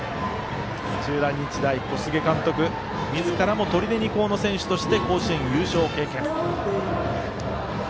土浦日大、小菅監督みずからも取手二高の選手として甲子園優勝を経験。